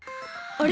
あれ？